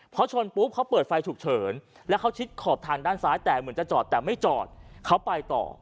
พอชนปุ๊บเขาเปิดไฟฉุกเฉินแล้วเขาชิดขอบทางด้านซ้ายแต่เหมือนจะจอดแต่ไม่จอดเขาไปต่อ